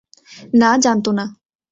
না, জানতো না।